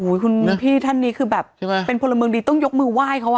คุณพี่ท่านนี้คือแบบใช่ไหมเป็นพลเมืองดีต้องยกมือไหว้เขาอ่ะ